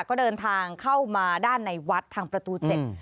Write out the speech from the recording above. ก็เดินทางเข้ามาด้านในวัดทางประตูเจ็ด